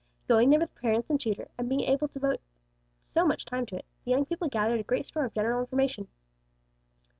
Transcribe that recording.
Going there with parents and tutor, and being able to devote so much time to it, the young people gathered a great store of general information.